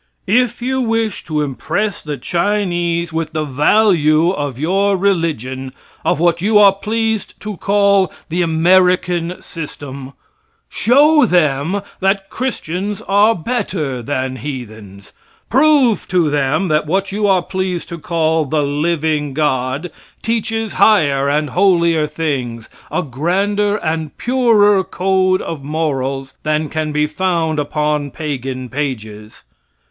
If you wish to impress the Chinese with the value of your religion, of what you are pleased to call "the American system," show them that Christians are better than heathens. Prove to them that what you are pleased to call the "living God" teaches higher and holier things, a grander and purer code of morals, than can be found upon pagan pages.